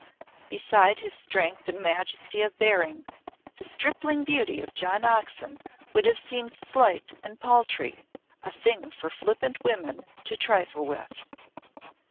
Beside his strength and majesty of bearing the stripling beauty of John Oxon would have seemed slight and paltry, a thing for flippant women to trifle with.